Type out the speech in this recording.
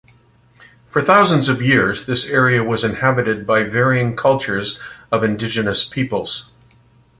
For thousands of years, this area was inhabited by varying cultures of indigenous peoples.